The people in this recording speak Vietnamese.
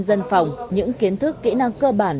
dân phòng những kiến thức kỹ năng cơ bản